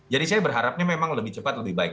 jadi saya berharapnya memang lebih cepat lebih baik